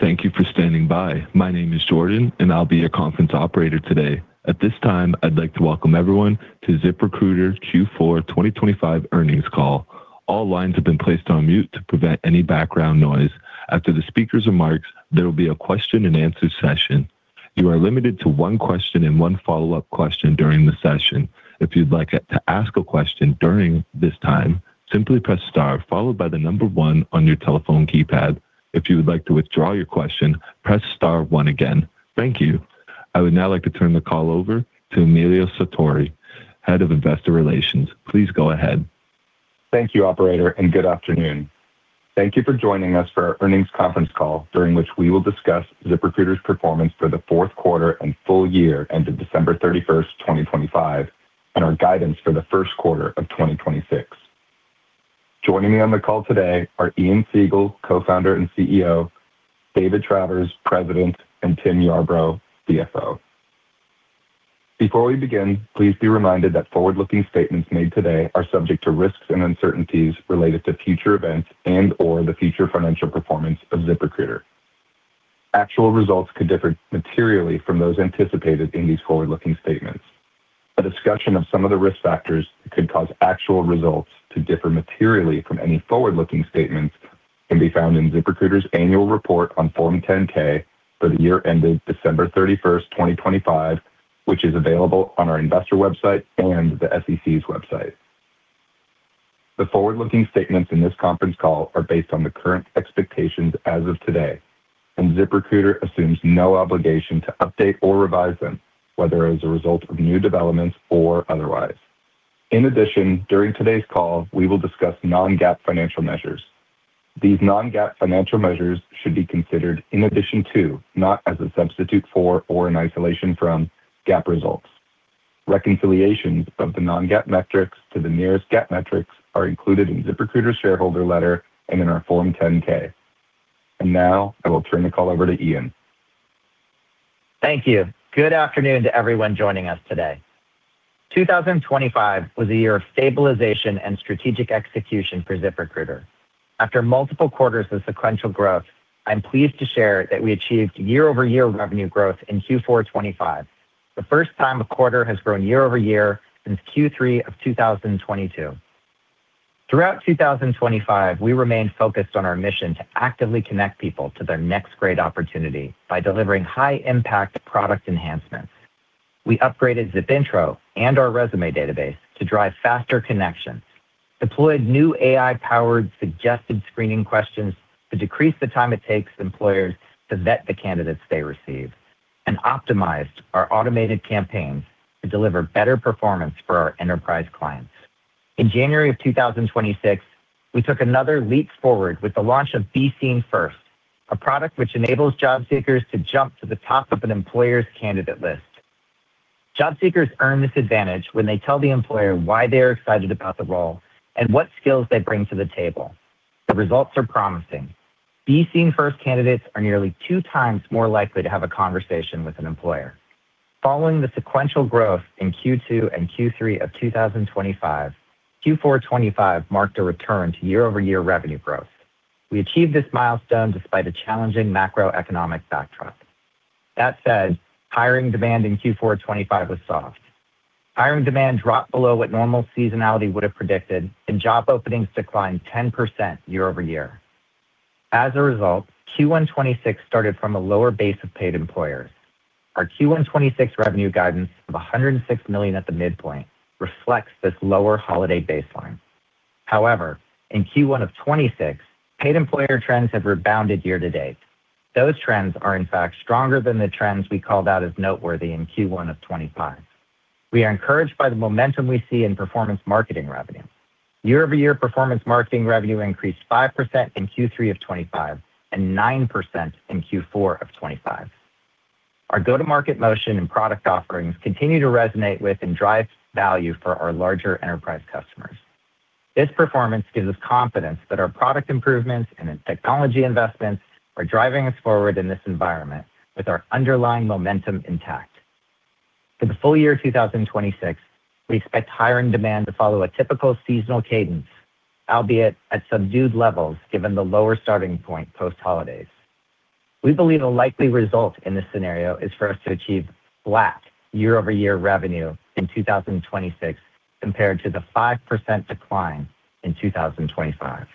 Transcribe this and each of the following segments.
Thank you for standing by. My name is Jordan, and I'll be your conference operator today. At this time, I'd like to welcome everyone to ZipRecruiter's Q4 2025 earnings call. All lines have been placed on mute to prevent any background noise. After the speakers' remarks, there will be a question-and-answer session. You are limited to one question and one follow-up question during the session. If you'd like to ask a question during this time, simply press star followed by the 1 on your telephone keypad. If you would like to withdraw your question, press star 1 again. Thank you. I would now like to turn the call over to Emilio Sartori, Head of Investor Relations. Please go ahead. Thank you, operator. Good afternoon. Thank you for joining us for our earnings conference call, during which we will discuss ZipRecruiter's performance for the Q4 and full year ended December thirty-first, 2025, and our guidance for the Q1 of 2026. Joining me on the call today are Ian Siegel, Co-founder and CEO, David Travers, President, and Tim Yarbrough, CFO. Before we begin, please be reminded that forward-looking statements made today are subject to risks and uncertainties related to future events and/or the future financial performance of ZipRecruiter. Actual results could differ materially from those anticipated in these forward-looking statements. A discussion of some of the risk factors that could cause actual results to differ materially from any forward-looking statements can be found in ZipRecruiter's annual report on Form 10-K for the year ended 31 December 2025, which is available on our investor website and the SEC's website. The forward-looking statements in this conference call are based on the current expectations as of today, ZipRecruiter assumes no obligation to update or revise them, whether as a result of new developments or otherwise. In addition, during today's call, we will discuss non-GAAP financial measures. These non-GAAP financial measures should be considered in addition to, not as a substitute for or in isolation from, GAAP results. Reconciliations of the non-GAAP metrics to the nearest GAAP metrics are included in ZipRecruiter's shareholder letter and in our Form 10-K. Now I will turn the call over to Ian. Thank you. Good afternoon to everyone joining us today. 2025 was a year of stabilization and strategic execution for ZipRecruiter. After multiple quarters of sequential growth, I'm pleased to share that we achieved year-over-year revenue growth in Q4 2025, the first time a quarter has grown year-over-year since Q3 of 2022. Throughout 2025, we remained focused on our mission to actively connect people to their next great opportunity by delivering high-impact product enhancements. We upgraded ZipIntro and our resume database to drive faster connections, deployed new AI-powered suggested screening questions to decrease the time it takes employers to vet the candidates they receive, and optimized our automated campaigns to deliver better performance for our enterprise clients. In January of 2026, we took another leap forward with the launch of Be Seen First, a product which enables job seekers to jump to the top of an employer's candidate list. Job seekers earn this advantage when they tell the employer why they are excited about the role and what skills they bring to the table. The results are promising. Be Seen First candidates are nearly 2 times more likely to have a conversation with an employer. Following the sequential growth in Q2 and Q3 of 2025, Q4 2025 marked a return to year-over-year revenue growth. We achieved this milestone despite a challenging macroeconomic backdrop. That said, hiring demand in Q4 2025 was soft. Hiring demand dropped below what normal seasonality would have predicted, and job openings declined 10% year-over-year. As a result, Q1 2026 started from a lower base of paid employers. Our Q1 2026 revenue guidance of $106 million at the midpoint reflects this lower holiday baseline. However, in Q1 of 2026, paid employer trends have rebounded year to date. Those trends are, in fact, stronger than the trends we called out as noteworthy in Q1 of 2025. We are encouraged by the momentum we see in performance marketing revenue. Year-over-year performance marketing revenue increased 5% in Q3 of 2025 and 9% in Q4 of 2025. Our go-to-market motion and product offerings continue to resonate with and drive value for our larger enterprise customers. This performance gives us confidence that our product improvements and its technology investments are driving us forward in this environment with our underlying momentum intact. For the full year 2026, we expect hiring demand to follow a typical seasonal cadence, albeit at subdued levels, given the lower starting point post-holidays. We believe a likely result in this scenario is for us to achieve flat year-over-year revenue in 2026 compared to the 5% decline in 2025.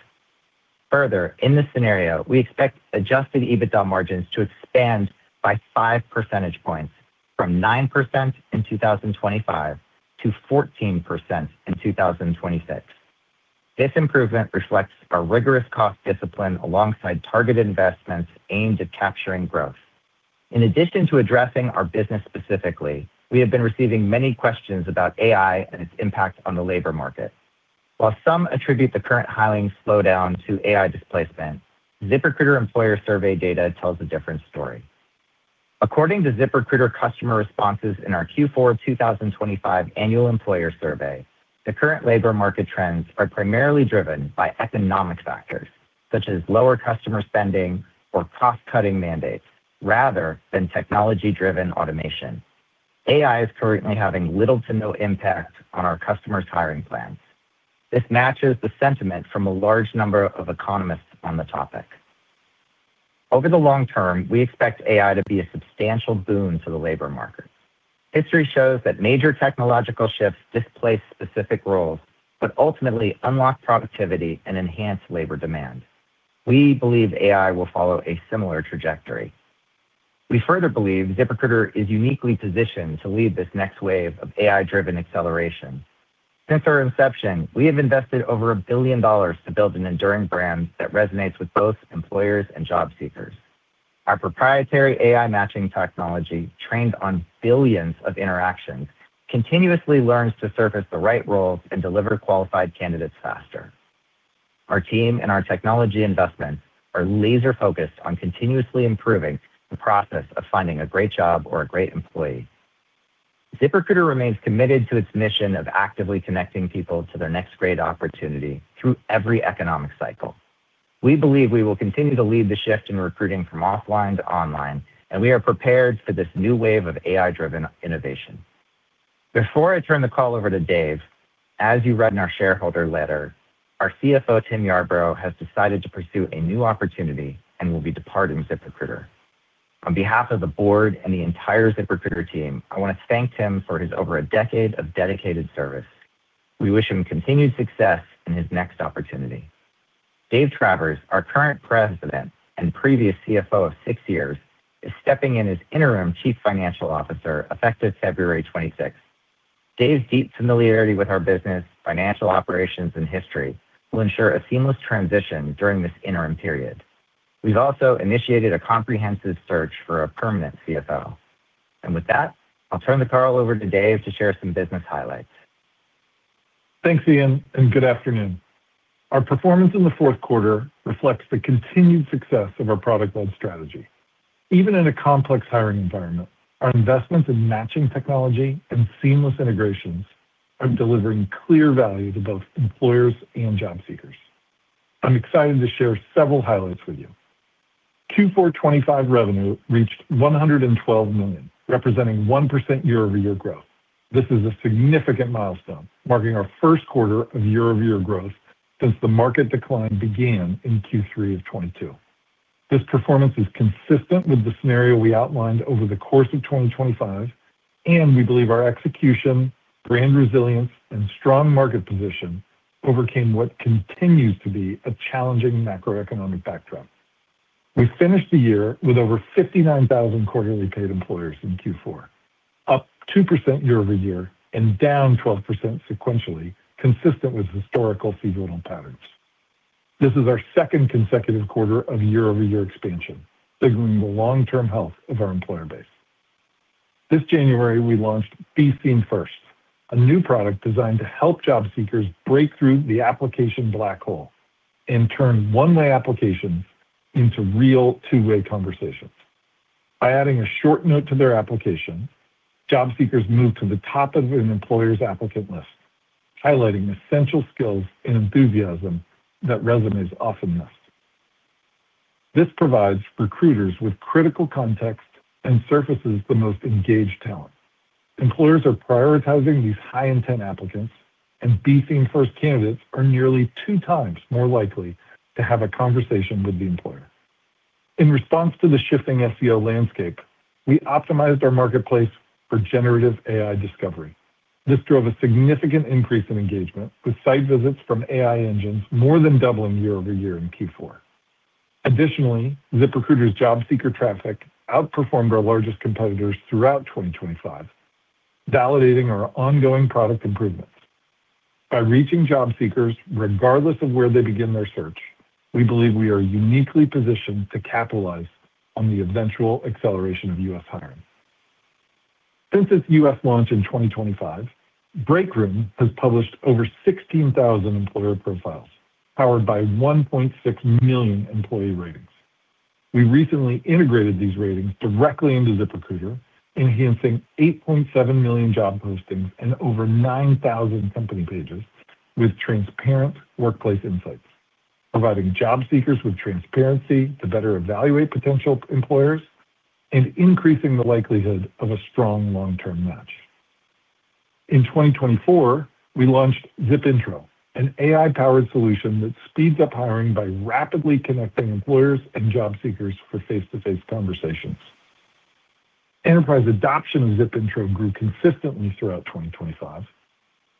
Further, in this scenario, we expect Adjusted EBITDA margins to expand by 5 percentage points, from 9% in 2025 to 14% in 2026. This improvement reflects our rigorous cost discipline alongside targeted investments aimed at capturing growth. In addition to addressing our business specifically, we have been receiving many questions about AI and its impact on the labor market. While some attribute the current hiring slowdown to AI displacement, ZipRecruiter employer survey data tells a different story. According to ZipRecruiter customer responses in our Q4 2025 annual employer survey, the current labor market trends are primarily driven by economic factors, such as lower customer spending or cost-cutting mandates, rather than technology-driven automation. AI is currently having little to no impact on our customers' hiring plans. This matches the sentiment from a large number of economists on the topic. Over the long term, we expect AI to be a substantial boon to the labor market. History shows that major technological shifts displace specific roles, but ultimately unlock productivity and enhance labor demand. We believe AI will follow a similar trajectory. We further believe ZipRecruiter is uniquely positioned to lead this next wave of AI-driven acceleration. Since our inception, we have invested over $1 billion to build an enduring brand that resonates with both employers and job seekers. Our proprietary AI matching technology, trained on billions of interactions, continuously learns to surface the right roles and deliver qualified candidates faster. Our team and our technology investments are laser-focused on continuously improving the process of finding a great job or a great employee. ZipRecruiter remains committed to its mission of actively connecting people to their next great opportunity through every economic cycle. We believe we will continue to lead the shift in recruiting from offline to online. We are prepared for this new wave of AI-driven innovation. Before I turn the call over to Dave, as you read in our shareholder letter, our CFO, Tim Yarbrough, has decided to pursue a new opportunity and will be departing ZipRecruiter. On behalf of the board and the entire ZipRecruiter team, I want to thank Tim for his over a decade of dedicated service. We wish him continued success in his next opportunity. Dave Travers, our current President and previous CFO of six years, is stepping in as interim Chief Financial Officer, effective February 26th. Dave's deep familiarity with our business, financial operations, and history will ensure a seamless transition during this interim period. We've also initiated a comprehensive search for a permanent CFO. With that, I'll turn the call over to Dave to share some business highlights. Thanks, Ian, and good afternoon. Our performance in the Q4 reflects the continued success of our product-led strategy. Even in a complex hiring environment, our investments in matching technology and seamless integrations are delivering clear value to both employers and job seekers. I'm excited to share several highlights with you. Q4 2025 revenue reached $112 million, representing 1% year-over-year growth. This is a significant milestone, marking our Q1 of year-over-year growth since the market decline began in Q3 of 2022. This performance is consistent with the scenario we outlined over the course of 2025, and we believe our execution, brand resilience, and strong market position overcame what continues to be a challenging macroeconomic backdrop. We finished the year with over 59,000 quarterly paid employers in Q4, up 2% year-over-year and down 12% sequentially, consistent with historical seasonal patterns. This is our second consecutive quarter of year-over-year expansion, signaling the long-term health of our employer base. This January, we launched Be Seen First, a new product designed to help job seekers break through the application black hole and turn one-way applications into real two-way conversations. By adding a short note to their application, job seekers move to the top of an employer's applicant list, highlighting essential skills and enthusiasm that resumes often miss. This provides recruiters with critical context and surfaces the most engaged talent. Employers are prioritizing these high-intent applicants, Be Seen First candidates are nearly two times more likely to have a conversation with the employer. In response to the shifting SEO landscape, we optimized our marketplace for generative AI discovery. This drove a significant increase in engagement, with site visits from AI engines more than doubling year-over-year in Q4. Additionally, ZipRecruiter's job seeker traffic outperformed our largest competitors throughout 2025, validating our ongoing product improvements. By reaching job seekers regardless of where they begin their search, we believe we are uniquely positioned to capitalize on the eventual acceleration of U.S. hiring. Since its U.S. launch in 2025, Breakroom has published over 16,000 employer profiles, powered by 1.6 million employee ratings. We recently integrated these ratings directly into ZipRecruiter, enhancing 8.7 million job postings and over 9,000 company pages with transparent workplace insights, providing job seekers with transparency to better evaluate potential employers and increasing the likelihood of a strong long-term match. In 2024, we launched ZipIntro, an AI-powered solution that speeds up hiring by rapidly connecting employers and job seekers for face-to-face conversations. Enterprise adoption of ZipIntro grew consistently throughout 2025.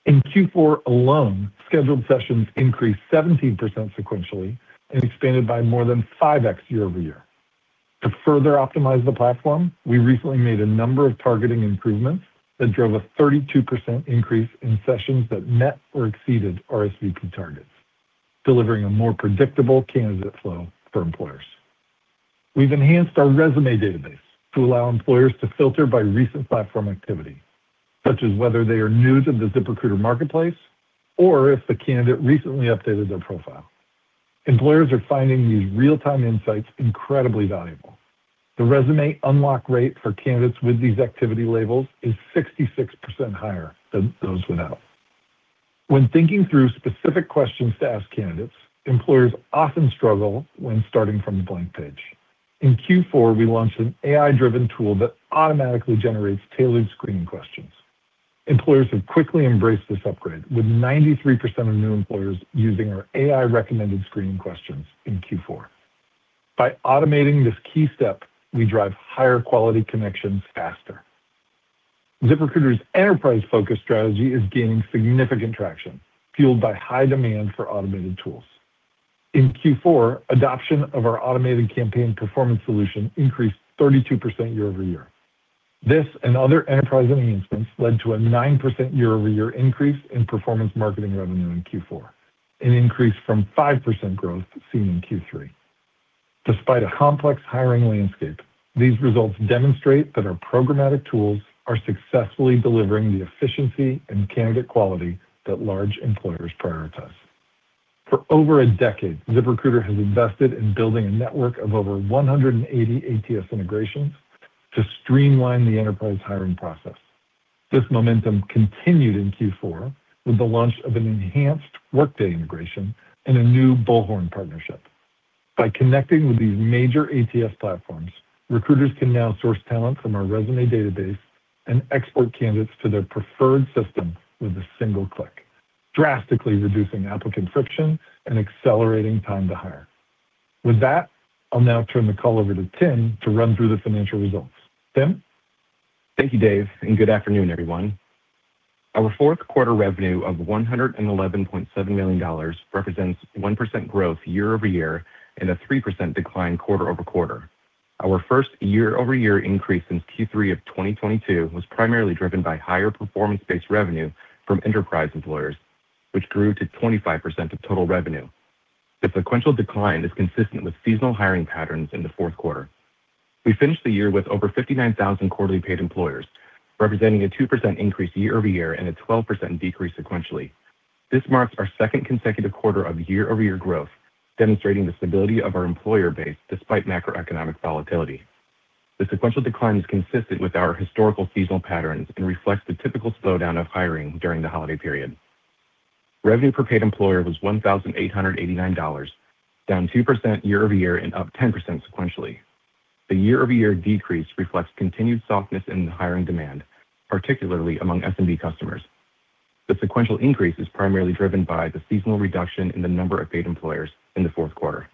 In Q4 alone, scheduled sessions increased 17% sequentially and expanded by more than 5x year-over-year. To further optimize the platform, we recently made a number of targeting improvements that drove a 32% increase in sessions that met or exceeded RSVP targets, delivering a more predictable candidate flow for employers. We've enhanced our resume database to allow employers to filter by recent platform activity, such as whether they are new to the ZipRecruiter marketplace or if the candidate recently updated their profile. Employers are finding these real-time insights incredibly valuable. The resume unlock rate for candidates with these activity labels is 66% higher than those without. When thinking through specific questions to ask candidates, employers often struggle when starting from a blank page. In Q4, we launched an AI-driven tool that automatically generates tailored screening questions. Employers have quickly embraced this upgrade, with 93% of new employers using our AI-recommended screening questions in Q4. By automating this key step, we drive higher quality connections faster. ZipRecruiter's enterprise-focused strategy is gaining significant traction, fueled by high demand for automated tools. In Q4, adoption of our automated campaign performance solution increased 32% year-over-year. This and other enterprise enhancements led to a 9% year-over-year increase in performance marketing revenue in Q4, an increase from 5% growth seen in Q3. Despite a complex hiring landscape, these results demonstrate that our programmatic tools are successfully delivering the efficiency and candidate quality that large employers prioritize. For over a decade, ZipRecruiter has invested in building a network of over 180 ATS integrations to streamline the enterprise hiring process. This momentum continued in Q4 with the launch of an enhanced Workday integration and a new Bullhorn partnership. By connecting with these major ATS platforms, recruiters can now source talent from our resume database and export candidates to their preferred system with a single click, drastically reducing applicant friction and accelerating time to hire. With that, I'll now turn the call over to Tim to run through the financial results. Tim? Thank you, Dave. Good afternoon, everyone. Our Q4 revenue of $111.7 million represents 1% growth year-over-year and a 3% decline quarter-over-quarter. Our first year-over-year increase since Q3 of 2022 was primarily driven by higher performance-based revenue from enterprise employers, which grew to 25% of total revenue. The sequential decline is consistent with seasonal hiring patterns in the Q4. We finished the year with over 59,000 quarterly paid employers, representing a 2% increase year-over-year and a 12% decrease sequentially. This marks our second consecutive quarter of year-over-year growth, demonstrating the stability of our employer base despite macroeconomic volatility. The sequential decline is consistent with our historical seasonal patterns and reflects the typical slowdown of hiring during the holiday period. Revenue per paid employer was $1,889, down 2% year-over-year and up 10% sequentially. The year-over-year decrease reflects continued softness in the hiring demand, particularly among SMB customers. The sequential increase is primarily driven by the seasonal reduction in the number of paid employers in the Q4.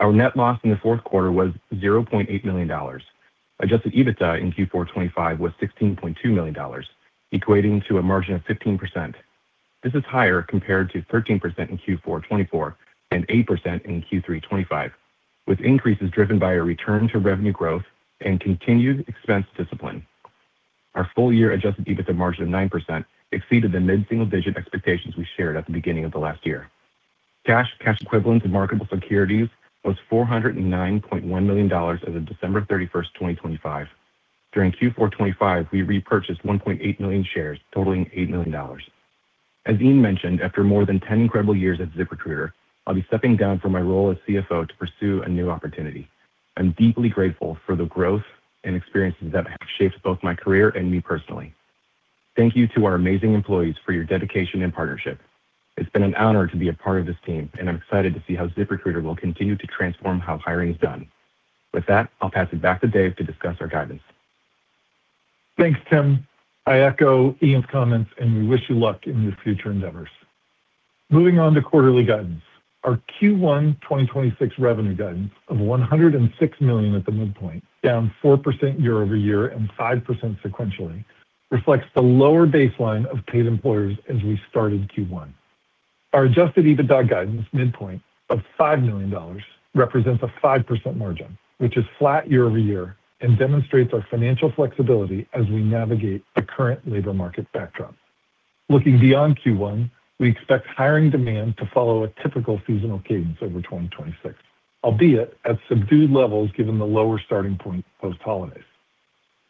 Our net loss in the Q4 was $0.8 million. Adjusted EBITDA in Q4 2025 was $16.2 million, equating to a margin of 15%. This is higher compared to 13% in Q4 2024 and 8% in Q3 2025, with increases driven by a return to revenue growth and continued expense discipline. Our full-year Adjusted EBITDA margin of 9% exceeded the mid-single-digit expectations we shared at the beginning of the last year. Cash, cash equivalents, and marketable securities was $409.1 million as of December 31st, 2025. During Q4 2025, we repurchased 1.8 million shares, totaling $8 million. As Ian mentioned, after more than 10 incredible years at ZipRecruiter, I'll be stepping down from my role as CFO to pursue a new opportunity. I'm deeply grateful for the growth and experiences that have shaped both my career and me personally. Thank you to our amazing employees for your dedication and partnership. It's been an honor to be a part of this team, and I'm excited to see how ZipRecruiter will continue to transform how hiring is done. With that, I'll pass it back to Dave to discuss our guidance. Thanks, Tim. I echo Ian's comments. We wish you luck in your future endeavors. Moving on to quarterly guidance. Our Q1 2026 revenue guidance of $106 million at the midpoint, down 4% year-over-year and 5% sequentially, reflects the lower baseline of paid employers as we started Q1. Our Adjusted EBITDA guidance midpoint of $5 million represents a 5% margin, which is flat year-over-year and demonstrates our financial flexibility as we navigate the current labor market backdrop. Looking beyond Q1, we expect hiring demand to follow a typical seasonal cadence over 2026, albeit at subdued levels, given the lower starting point post-holidays.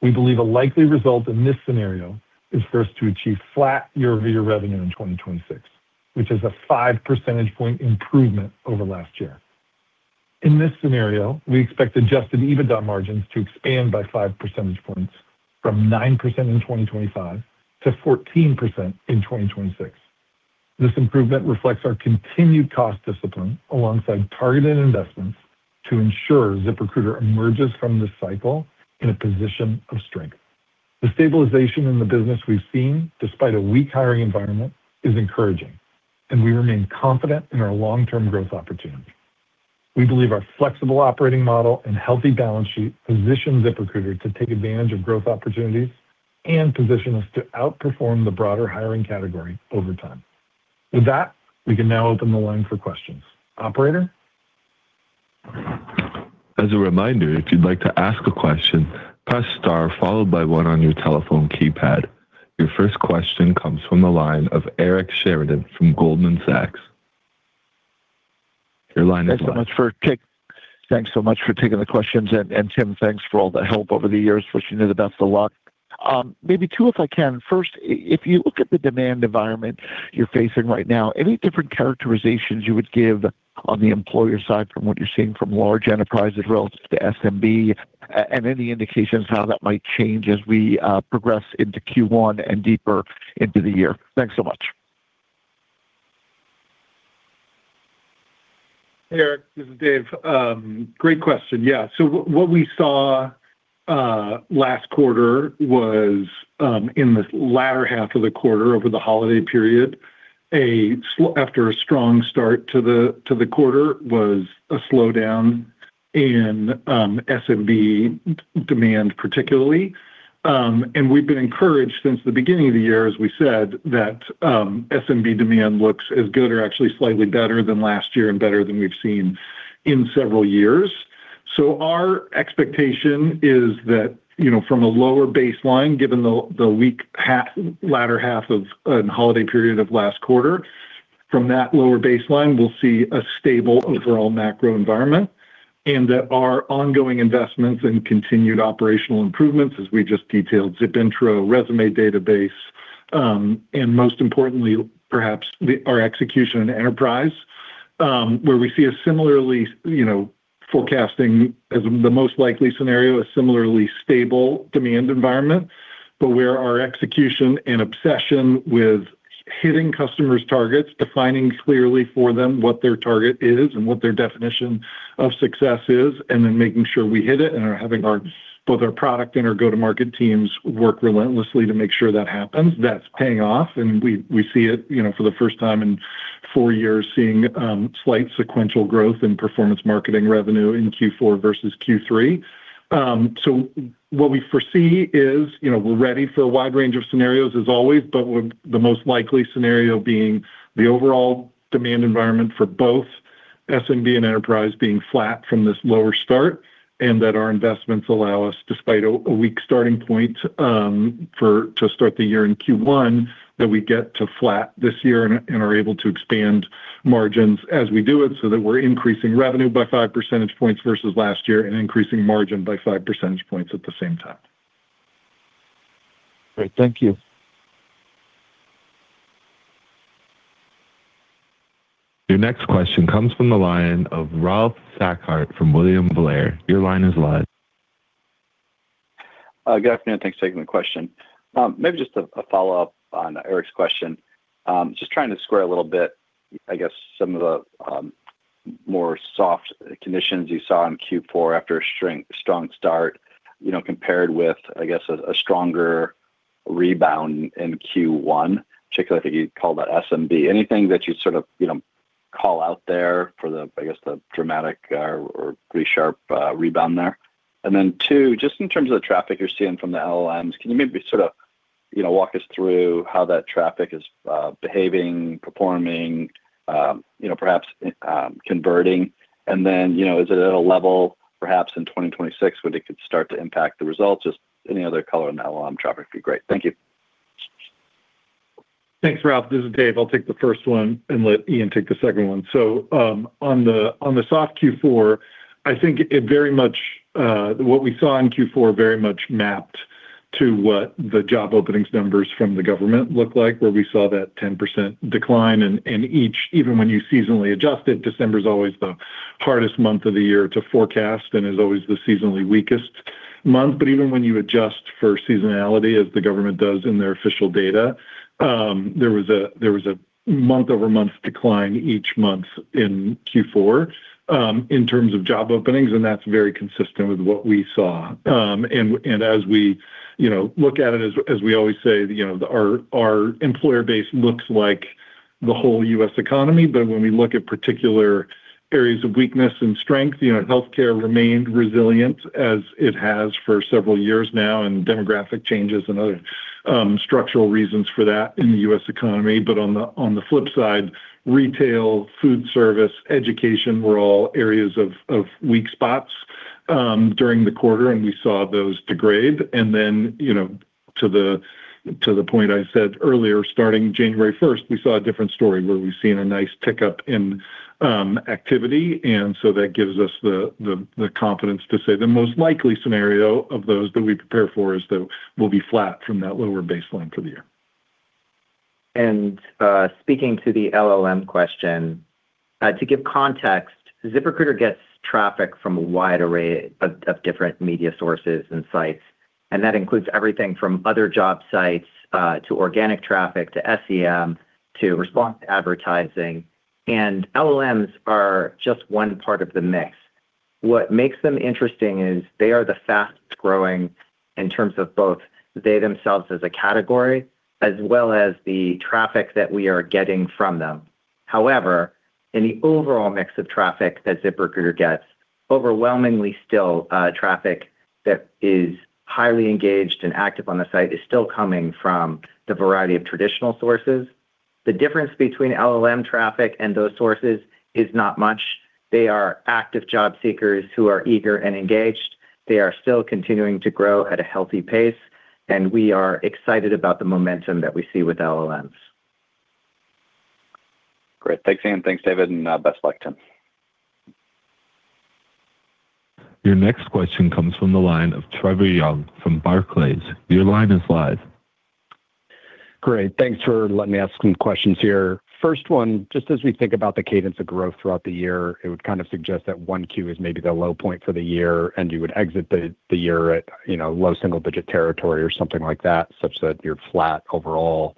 We believe a likely result in this scenario is for us to achieve flat year-over-year revenue in 2026, which is a 5 percentage point improvement over last year. In this scenario, we expect Adjusted EBITDA margins to expand by 5 percentage points, from 9% in 2025 to 14% in 2026. This improvement reflects our continued cost discipline, alongside targeted investments to ensure ZipRecruiter emerges from this cycle in a position of strength. The stabilization in the business we've seen, despite a weak hiring environment, is encouraging, and we remain confident in our long-term growth opportunity. We believe our flexible operating model and healthy balance sheet position ZipRecruiter to take advantage of growth opportunities and position us to outperform the broader hiring category over time. With that, we can now open the line for questions. Operator? As a reminder, if you'd like to ask a question, press star followed by one on your telephone keypad. Your first question comes from the line of Eric Sheridan from Goldman Sachs. Your line is open. Thanks so much for taking the questions. Tim, thanks for all the help over the years. Wishing you the best of luck. Maybe two, if I can. First, if you look at the demand environment you're facing right now, any different characterizations you would give on the employer side from what you're seeing from large enterprises relative to SMB, and any indications how that might change as we progress into Q1 and deeper into the year? Thanks so much. Hey, Eric, this is Dave. Great question. What we saw last quarter was in the latter half of the quarter, over the holiday period, after a strong start to the quarter, was a slowdown in SMB demand, particularly. We've been encouraged since the beginning of the year, as we said, that SMB demand looks as good or actually slightly better than last year and better than we've seen in several years. Our expectation is that from a lower baseline, given the weak latter half of, and holiday period of last quarter, from that lower baseline, we'll see a stable overall macro environment, and that our ongoing investments and continued operational improvements, as we just detailed, ZipIntro, resume database, and most importantly, perhaps, our execution in enterprise, where we see a similarly forecasting as the most likely scenario, a similarly stable demand environment. Where our execution and obsession with hitting customers' targets, defining clearly for them what their target is and what their definition of success is, and then making sure we hit it and are having both our product and our go-to-market teams work relentlessly to make sure that happens. That's paying off. We see it for the first time in four years, seeing, slight sequential growth in performance marketing revenue in Q4 versus Q3. What we foresee is we're ready for a wide range of scenarios, as always, but with the most likely scenario being the overall demand environment for both SMB and enterprise being flat from this lower start, and that our investments allow us, despite a weak starting point, to start the year in Q1, that we get to flat this year and are able to expand margins as we do it, so that we're increasing revenue by 5 percentage points versus last year and increasing margin by 5 percentage points at the same time. Great. Thank you. Your next question comes from the line of Ralph Schackart from William Blair. Your line is live. Good afternoon. Thanks for taking the question. Maybe just a follow-up on Eric's question. Just trying to square a little bit, I guess, some of the more soft conditions you saw in Q4 after a strong start compared with, I guess, a stronger rebound in Q1, particularly, I think you called out SMB. Anything that you'd sort of call out there for the, I guess, the dramatic or pretty sharp rebound there? Two, just in terms of the traffic you're seeing from the LLMs, can you maybe sort of walk us through how that traffic is behaving, performing perhaps converting? Is it at a level, perhaps in 2026, where they could start to impact the results? Just any other color on LLM traffic would be great. Thank you. Thanks, Ralph. This is Dave. I'll take the first one and let Ian take the second one. On the soft Q4, I think it very much what we saw in Q4 very much mapped to what the job openings numbers from the government looked like, where we saw that 10% decline. Even when you seasonally adjust it, December is always the hardest month of the year to forecast and is always the seasonally weakest month. Even when you adjust for seasonality, as the government does in their official data, there was a month-over-month decline each month in Q4 in terms of job openings, and that's very consistent with what we saw. As we look at it, as we always say our employer base looks like the whole U.S. economy, but when we look at particular areas of weakness and strength healthcare remained resilient, as it has for several years now, and demographic changes and other structural reasons for that in the U.S. economy. On the flip side, retail, food service, education were all areas of weak spots during the quarter, and we saw those degrade., to the point I said earlier, starting January 1st, we saw a different story where we've seen a nice pickup in activity, and so that gives us the confidence to say the most likely scenario of those that we prepare for is that we'll be flat from that lower baseline for the year. Speaking to the LLM question, to give context, ZipRecruiter gets traffic from a wide array of different media sources and sites, and that includes everything from other job sites, to organic traffic, to SEM, to response to advertising. LLMs are just one part of the mix. What makes them interesting is they are the fastest-growing in terms of both they themselves as a category, as well as the traffic that we are getting from them. However, in the overall mix of traffic that ZipRecruiter gets, overwhelmingly still, traffic that is highly engaged and active on the site is still coming from the variety of traditional sources. The difference between LLM traffic and those sources is not much. They are active job seekers who are eager and engaged. They are still continuing to grow at a healthy pace, and we are excited about the momentum that we see with LLMs. Great. Thanks, Ian. Thanks, David, and best of luck to you. Your next question comes from the line of Trevor Young from Barclays. Your line is live. Great. Thanks for letting me ask some questions here. Just as we think about the cadence of growth throughout the year, it would kind of suggest that 1Q is maybe the low point for the year, and you would exit the year at low double-digit territory or something like that, such that you're flat overall.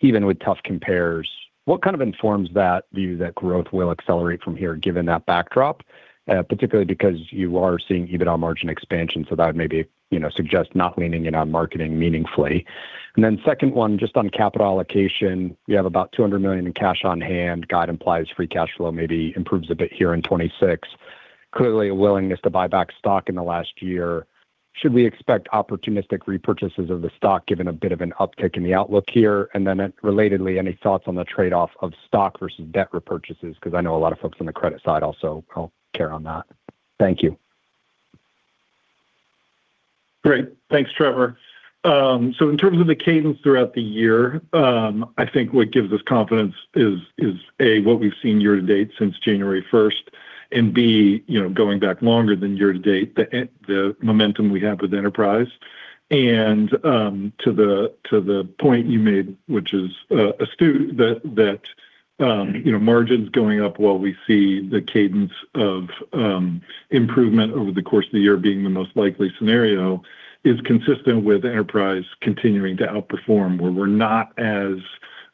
Even with tough compares, what kind of informs that view that growth will accelerate from here, given that backdrop? Particularly because you are seeing EBITDA margin expansion, that would maybe suggest not leaning in on marketing meaningfully. Second one, just on capital allocation, you have about $200 million in cash on hand. Guide implies free cash flow maybe improves a bit here in 2026. Clearly, a willingness to buy back stock in the last year. Should we expect opportunistic repurchases of the stock, given a bit of an uptick in the outlook here? Relatedly, any thoughts on the trade-off of stock versus debt repurchases? I know a lot of folks on the credit side also care on that. Thank you. Great. Thanks, Trevor. In terms of the cadence throughout the year, I think what gives us confidence is A, what we've seen year to date since January 1st, and b going back longer than year to date, the momentum we have with enterprise. To the point you made, which is astute, that margins going up while we see the cadence of improvement over the course of the year being the most likely scenario, is consistent with enterprise continuing to outperform, where we're not as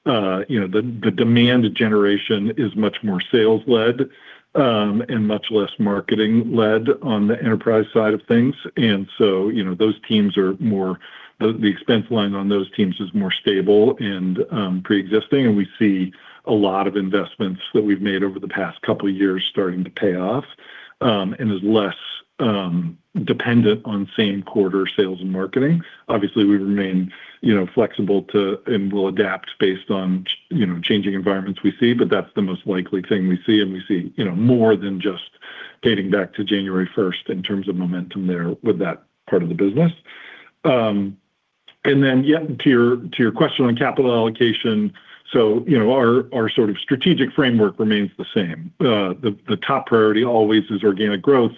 the demand generation is much more sales-led, and much less marketing-led on the enterprise side of things., those teams are more... The expense line on those teams is more stable and preexisting, and we see a lot of investments that we've made over the past couple of years starting to pay off, and is less dependent on same-quarter sales and marketing. Obviously, we remain flexible to, and we'll adapt based on, changing environments we see, but that's the most likely thing we see, and we see more than just dating back to January 1st in terms of momentum there with that part of the business. Yeah, to your, to your question on capital allocation our sort of strategic framework remains the same. The top priority always is organic growth.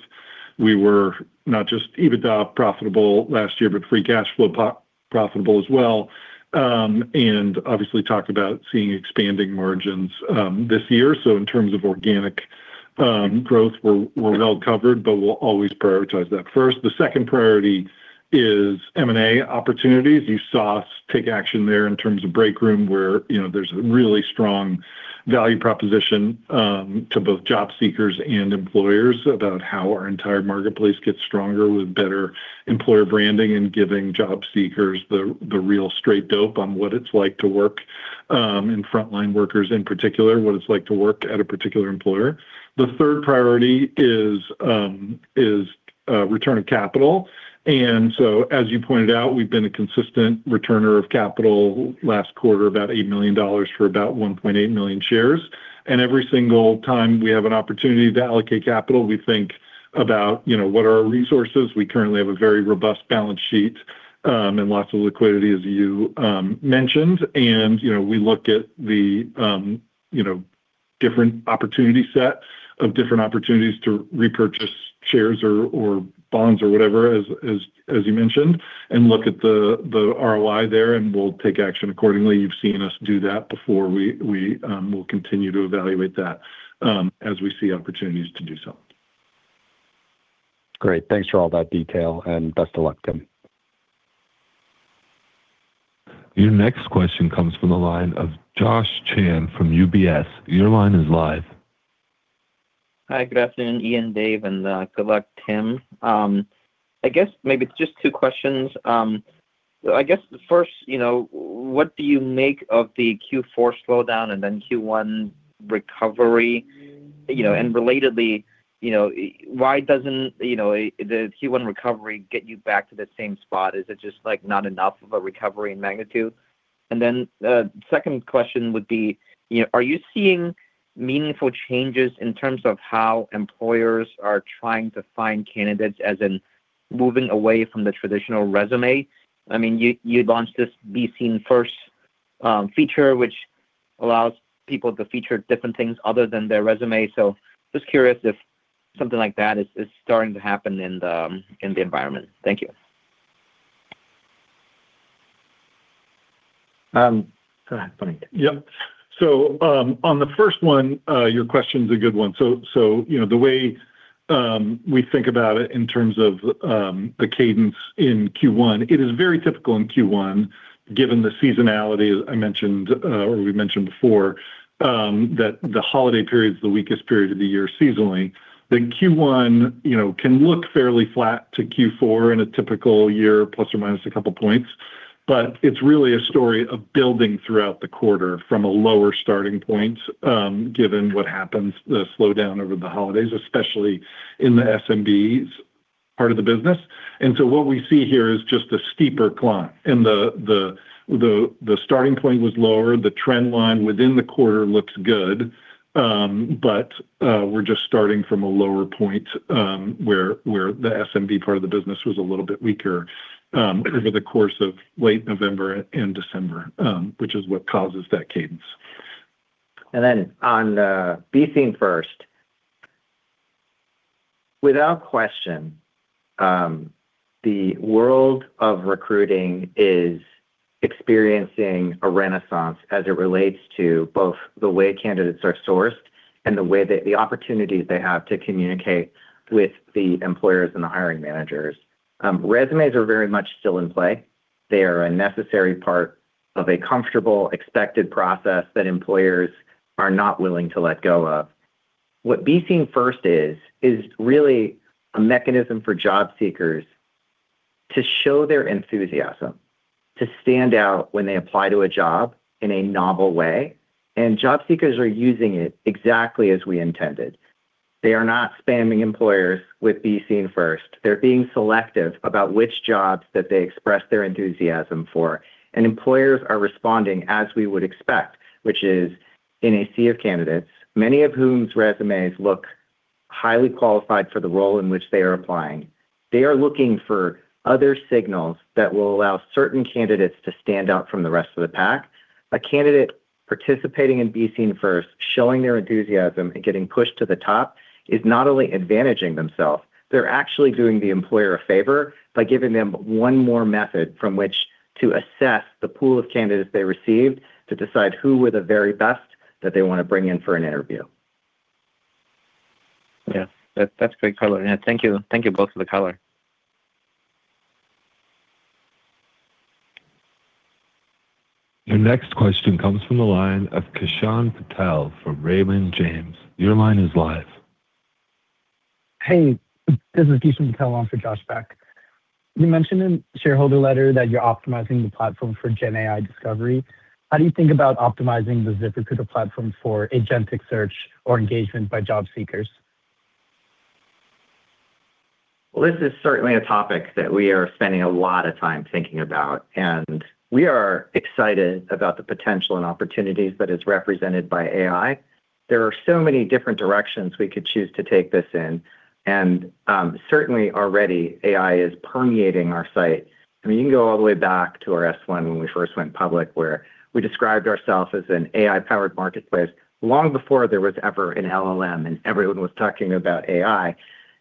We were not just EBITDA profitable last year, but free cash flow pro-profitable as well, and obviously talked about seeing expanding margins this year. In terms of organic growth, we're well covered, but we'll always prioritize that first. The second priority is M&A opportunities. You saw us take action there in terms of Breakroom, where there's a really strong value proposition to both job seekers and employers about how our entire marketplace gets stronger with better employer branding and giving job seekers the real straight dope on what it's like to work in frontline workers, in particular, what it's like to work at a particular employer. The third priority is return of capital. As you pointed out, we've been a consistent returner of capital. Last quarter, about $8 million for about 1.8 million shares. Every single time we have an opportunity to allocate capital, we think about what are our resources? We currently have a very robust balance sheet, and lots of liquidity, as you mentioned., we look at the different opportunity set of different opportunities to repurchase shares or bonds or whatever, as you mentioned, and look at the ROI there, and we'll take action accordingly. You've seen us do that before. We will continue to evaluate that, as we see opportunities to do so. Great. Thanks for all that detail, and best of luck, Tim. Your next question comes from the line of Kunal Madhukar from UBS. Your line is live. Hi, good afternoon, Ian, Dave, and good luck, Tim. I guess maybe just two questions. I guess the first what do you make of the Q4 slowdown and then Q1 recovery?, relatedly why doesn't the Q1 recovery get you back to the same spot? Is it just, like, not enough of a recovery in magnitude? Then the second question would be:, are you seeing meaningful changes in terms of how employers are trying to find candidates, as in moving away from the traditional resume? I mean, you launched this Be Seen First feature, which allows people to feature different things other than their resume. Just curious if something like that is starting to happen in the environment. Thank you. Go ahead, funny. Yeah. On the first one, your question's a good one., the way we think about it in terms of the cadence in Q1, it is very typical in Q1, given the seasonality, as I mentioned, or we mentioned before, that the holiday period is the weakest period of the year seasonally. The q1 can look fairly flat to Q4 in a typical year, plus or minus a couple of points, but it's really a story of building throughout the quarter from a lower starting point, given what happens, the slowdown over the holidays, especially in the SMBs part of the business. What we see here is just a steeper climb, and the starting point was lower. The trend line within the quarter looks good, but we're just starting from a lower point, where the SMB part of the business was a little bit weaker, over the course of late November and December, which is what causes that cadence. On Be Seen First, without question, the world of recruiting is experiencing a renaissance as it relates to both the way candidates are sourced.... and the way that the opportunities they have to communicate with the employers and the hiring managers. Resumes are very much still in play. They are a necessary part of a comfortable, expected process that employers are not willing to let go of. What Be Seen First is really a mechanism for job seekers to show their enthusiasm, to stand out when they apply to a job in a novel way, and job seekers are using it exactly as we intended. They are not spamming employers with Be Seen First. They're being selective about which jobs that they express their enthusiasm for. Employers are responding as we would expect, which is in a sea of candidates, many of whom's resumes look highly qualified for the role in which they are applying. They are looking for other signals that will allow certain candidates to stand out from the rest of the pack. A candidate participating in Be Seen First, showing their enthusiasm and getting pushed to the top, is not only advantaging themselves, they're actually doing the employer a favor by giving them one more method from which to assess the pool of candidates they received, to decide who were the very best that they want to bring in for an interview. Yeah, that's great color. Yeah, thank you. Thank you both for the color. Your next question comes from the line of Kishan Patel from Raymond James. Your line is live. Hey, this is Kishan Patel on for Josh Beck. You mentioned in shareholder letter that you're optimizing the platform for GenAI discovery. How do you think about optimizing the ZipRecruiter platform for agentic search or engagement by job seekers? Well, this is certainly a topic that we are spending a lot of time thinking about, and we are excited about the potential and opportunities that is represented by AI. There are so many different directions we could choose to take this in, and certainly already AI is permeating our site. I mean, you can go all the way back to our S-1 when we first went public, where we described ourselves as an AI-powered marketplace, long before there was ever an LLM and everyone was talking about AI.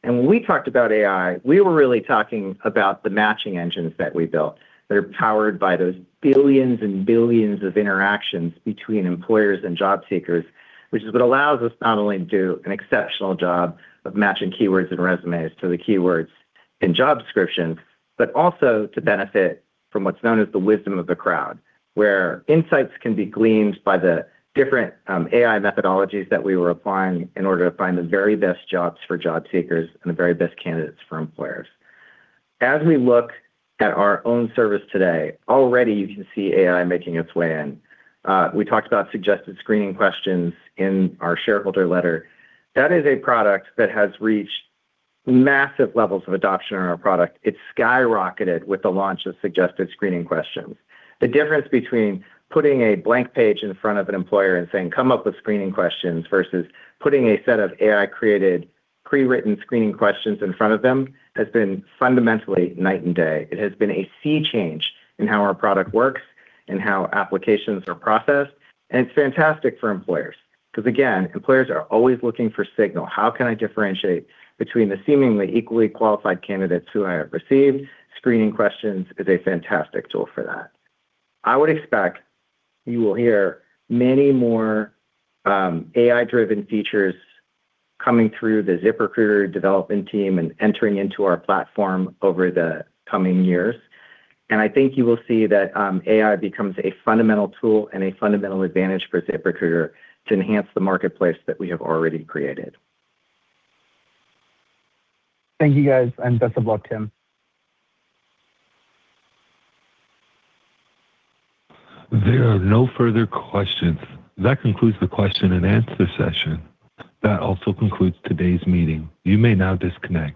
When we talked about AI, we were really talking about the matching engines that we built, that are powered by those billions and billions of interactions between employers and job seekers, which is what allows us not only to do an exceptional job of matching keywords and resumes to the keywords in job descriptions, but also to benefit from what's known as the wisdom of the crowd, where insights can be gleaned by the different AI methodologies that we were applying in order to find the very best jobs for job seekers and the very best candidates for employers. As we look at our own service today, already you can see AI making its way in. We talked about suggested screening questions in our shareholder letter. That is a product that has reached massive levels of adoption in our product. It's skyrocketed with the launch of suggested screening questions. The difference between putting a blank page in front of an employer and saying, "Come up with screening questions," versus putting a set of AI-created, pre-written screening questions in front of them, has been fundamentally night and day. It has been a sea change in how our product works and how applications are processed, and it's fantastic for employers. 'Cause again, employers are always looking for signal. How can I differentiate between the seemingly equally qualified candidates who I have received? Screening questions is a fantastic tool for that. I would expect you will hear many more AI-driven features coming through the ZipRecruiter development team and entering into our platform over the coming years. I think you will see that, AI becomes a fundamental tool and a fundamental advantage for ZipRecruiter to enhance the marketplace that we have already created. Thank you, guys, and best of luck, Tim. There are no further questions. That concludes the question-and-answer session. That also concludes today's meeting. You may now disconnect.